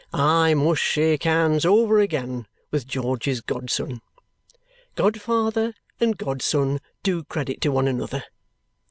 "I must shake hands over again with George's godson. Godfather and godson do credit to one another.